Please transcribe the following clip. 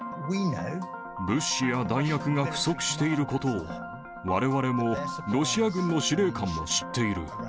物資や弾薬が不足していることを、われわれもロシア軍の司令官も知っている。